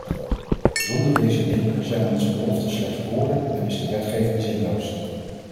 Zonder deze middelen zijn onze beloften slechts woorden en is de wetgeving zinloos.